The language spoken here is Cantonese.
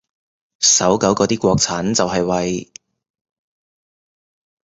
搜狗嗰啲國產就係為